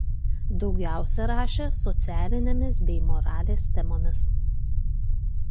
Daugiausia rašė socialinėmis bei moralės temomis.